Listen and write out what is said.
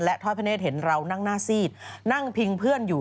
ทอดพระเนธเห็นเรานั่งหน้าซีดนั่งพิงเพื่อนอยู่